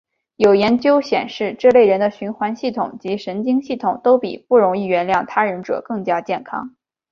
有研究显示这类人的循环系统及神经系统都比不容易原谅他人者更加健康。